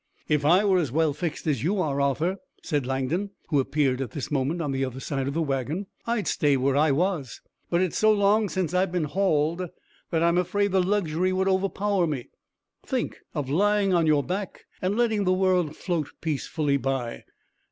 "If I were as well fixed as you are, Arthur," said Langdon, who appeared at this moment on the other side of the wagon, "I'd stay where I was. But it's so long since I've been hauled that I'm afraid the luxury would overpower me. Think of lying on your back and letting the world float peacefully by!